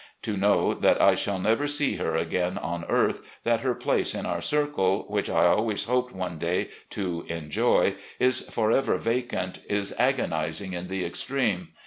To know that I shall never see her again on earth, that her place in our circle, which I always hoped one day to enjoy, is forever vacant, is agonising in the extreme.